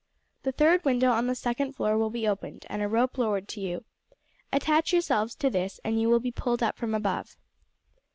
The third window on the second floor will be opened, and a rope lowered to you. Attach yourselves to this, and you will be pulled up from above."